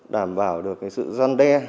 đảm bảo được sự gian đe